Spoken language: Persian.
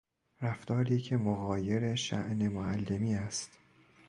رفتاری که مغایر شاءن معلمی است